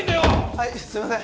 はいすいません。